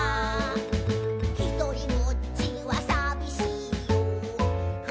「ひとりぼっちはさびしいよ」